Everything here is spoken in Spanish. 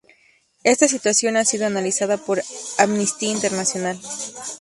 Está situación ha sido analizada por Amnistía Internacional.